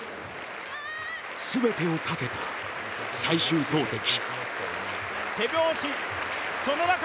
全てをかけた最終投てき。